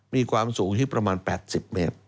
มีความสูงที่ประมาณ๘๐เมตร